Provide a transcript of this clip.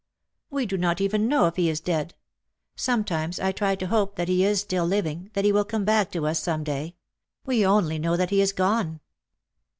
" We do not even know if he is dead. Sometimes I try to hope that he is still living, that he will come back to us some day. We only know that he is gone."